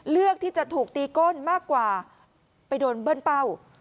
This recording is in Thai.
เลือกที่จะถูกตีก้นมากกว่าไปโดนเบิ้ลเป้า